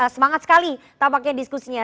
semangat sekali tampaknya diskusinya